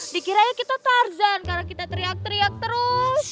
dikiranya kita tarzan karena kita teriak teriak terus